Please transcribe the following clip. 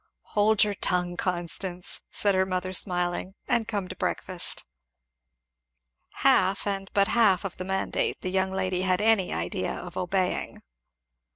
"Hold your tongue, Constance," said her mother smiling, "and come to breakfast." Half and but half of the mandate the young lady had any idea of obeying.